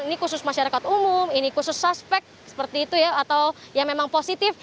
ini khusus masyarakat umum ini khusus suspek seperti itu ya atau yang memang positif